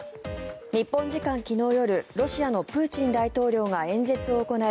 日本時間昨日夜ロシアのプーチン大統領が演説を行い